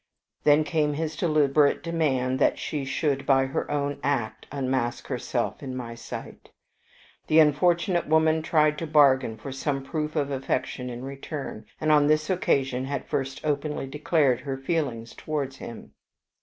Then came his deliberate demand that she should by her own act unmask herself in my sight. The unfortunate woman tried to bargain for some proof of affection in return, and on this occasion had first openly declared her feelings towards him.